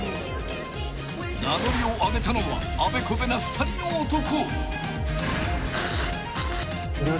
［名乗りを上げたのはあべこべな２人の男］